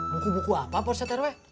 buku buku apa borset herwe